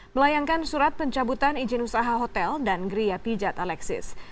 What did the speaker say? melayangkan surat pencabutan izin usaha hotel dan geria pijat alexis